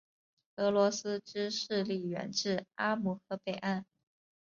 俄罗斯之势力远至阿姆河北岸。